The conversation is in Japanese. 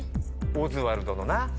オズワルドのな？